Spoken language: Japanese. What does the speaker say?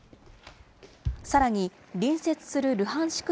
さらに、隣接するルハンシク